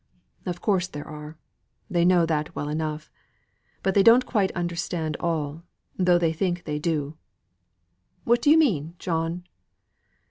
"Of course there are. They know that well enough. But they don't quite understand all, though they think they do." "What do you mean, John?"